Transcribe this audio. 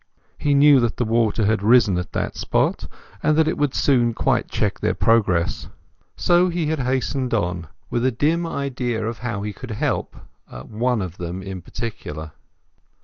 He knew that the water had risen at that spot, and that it would quite check their progress. So he had hastened on, with a dim idea of how he could help them—one of them in particular.